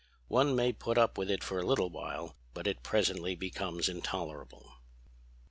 One may put up with it for a little while, but it presently becomes intolerable.